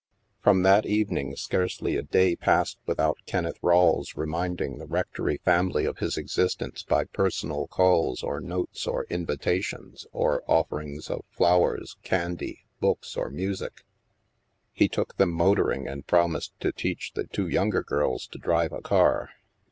^ From that evening, scarcely a day passed without 99 STILL WATERS 63 Kenneth Rawle's reminding the rectory family of his existence by personal calls, or notes, or invita tions, or offerings of flowers, candy, books, or music. He took them motoring and promised to teach the two younger girls to drive a car.